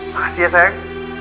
makasih ya sayang